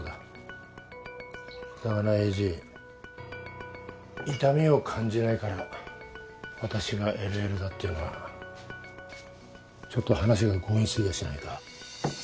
だがなエイジ痛みを感じないから私がＬＬだっていうのはちょっと話が強引すぎやしないか。